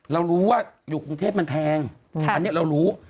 เรารู้ว่าอยู่กรุงเทพมันแพงอันนี้เรารู้